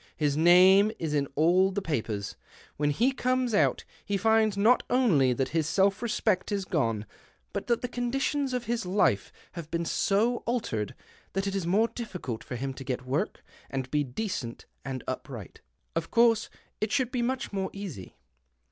His name is in all the papers. When he comes out he finds not only that his self respect is gone, but that the conditions of his life have been so altered that it is more difficult for him to get work and be decent and upright. Of course it should be much more easy.